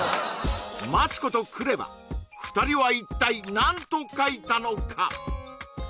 マツコとＫＲＥＶＡ２人は一体何と書いたのか？